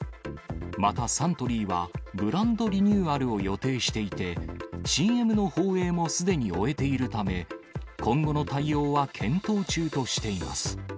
また、サントリーは、ブランドリニューアルを予定していて、ＣＭの放映もすでに終えているため、今後の対応は検討中としています。